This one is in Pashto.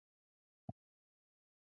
پاچا خلک هڅوي چې دې ده ملاتړ وکړي.